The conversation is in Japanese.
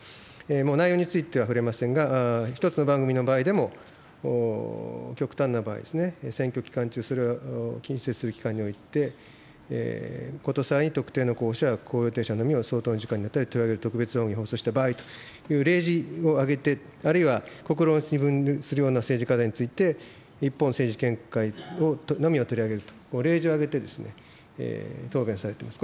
もう内容については触れませんが、一つの番組の場合でも、極端な場合ですね、選挙期間中、それを近接する期間において、ことさらに特定の候補者や候補予定者のみを相当時間にわたり取り上げる特別番組を放送した場合、例示を挙げて、あるいは国論を二分するような政治課題について、一方の政治見解のみを取り上げると、例示を挙げて、答弁されてます。